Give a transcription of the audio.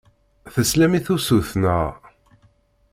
Teslam i tusut, naɣ?